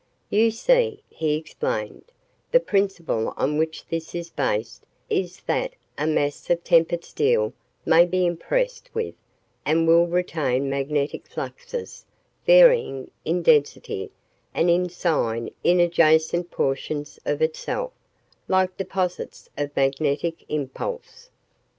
"You see," he explained, "the principle on which this is based is that a mass of tempered steel may be impressed with and will retain magnetic fluxes varying in density and in sign in adjacent portions of itself little deposits of magnetic impulse.